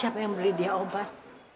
siapa yang beli dia obat